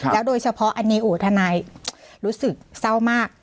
โดยเฉพาะอันนี้ทนายรู้สึกเศร้ามาก